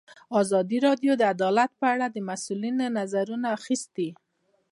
ازادي راډیو د عدالت په اړه د مسؤلینو نظرونه اخیستي.